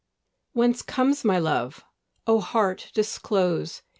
Whence comes my love? O heart, disclose!